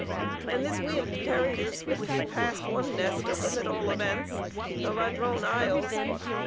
And this wind carried her swiftly past one nest of them at all events; the Ladrone Isles.